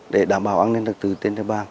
để đảm bảo an ninh được từ tên đồng bàng